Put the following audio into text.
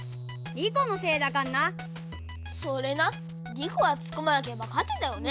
リコがつっこまなければ勝てたよね。